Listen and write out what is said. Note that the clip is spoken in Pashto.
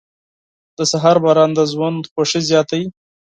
• د سهار باران د ژوند خوښي زیاتوي.